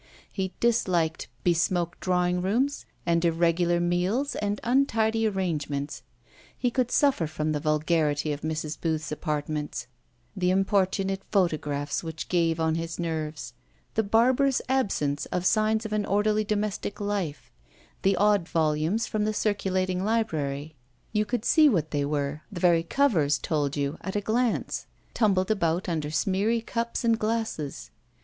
He disliked besmoked drawing rooms and irregular meals and untidy arrangements; he could suffer from the vulgarity of Mrs. Rooth's apartments, the importunate photographs which gave on his nerves, the barbarous absence of signs of an orderly domestic life, the odd volumes from the circulating library (you could see what they were the very covers told you at a glance) tumbled about under smeary cups and glasses.